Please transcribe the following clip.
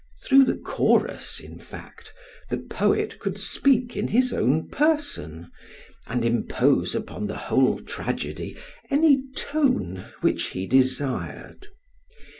Through the chorus, in fact, the poet could speak in his own person, and impose upon the whole tragedy any tone which he desired.